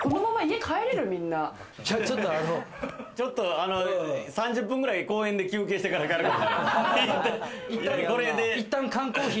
ちょっと３０分ぐらい公園で休憩してから帰るかも。